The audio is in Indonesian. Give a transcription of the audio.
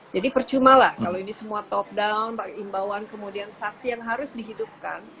percuma lah kalau ini semua top down imbauan kemudian saksi yang harus dihidupkan